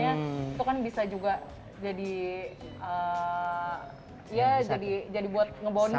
itu kan bisa juga jadi jadi buat ngebonding ya